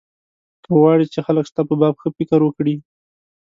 که غواړې چې خلک ستا په باب ښه فکر وکړي.